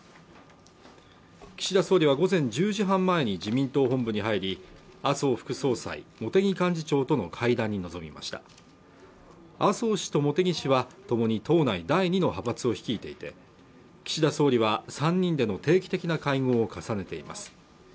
岸田総理は午前１０時半前に自民党本部に入り麻生副総裁、茂木幹事長との会談に臨みました麻生氏と茂木氏はともに党内第２の派閥を率いていて岸田総理は３人での定期的な会合を重ねています